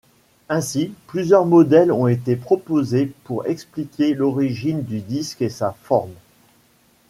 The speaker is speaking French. Ainsi, plusieurs modèles ont été proposés pour expliquer l'origine du disque et sa forme.